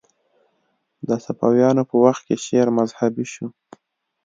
د صفویانو په وخت کې شعر مذهبي شو